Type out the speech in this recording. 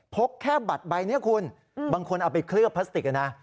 แค่บัตรใบนี้คุณบางคนเอาไปเคลือบพลาสติกนะ